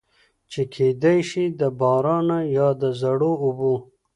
چې کېدے شي د بارانۀ يا د زړو اوبو